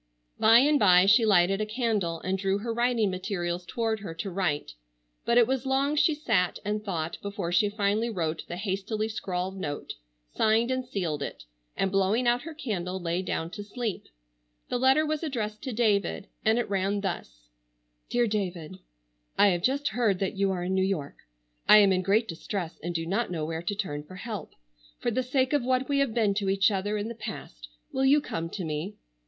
By and by she lighted a candle and drew her writing materials toward her to write, but it was long she sat and thought before she finally wrote the hastily scrawled note, signed and sealed it, and blowing out her candle lay down to sleep. The letter was addressed to David, and it ran thus: "DEAR DAVID:" "I have just heard that you are in New York. I am in great distress and do not know where to turn for help. For the sake of what we have been to each other in the past will you come to me?